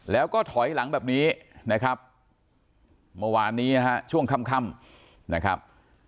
แล้วก็ถอยหลังแบบนี้นะครับเมื่อวานนี้นะฮะช่วงค่ำนะครับ